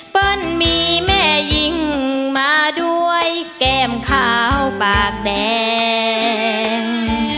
เปิ้ลมีแม่หญิงมาด้วยแก้มขาวปากแดง